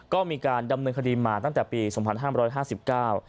ก็มีการดำเนินคดีมาตั้งแต่ปีสองพันห้ามร้อยห้าสิบเก้า